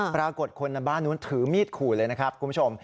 ปรากฏคนในบ้านนู้นถือมีดขู่เลยนะครับคุณผู้ชม